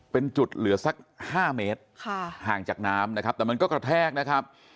เป็นจุดเหลือสัก๕เมตรห่างจากน้ำนะครับแต่มันก็กระแทกนะครับ